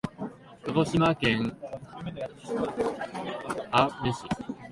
鹿児島県奄美市